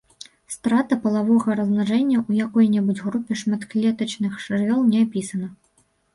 Страта палавога размнажэння ў якой-небудзь групе шматклетачных жывёл не апісана.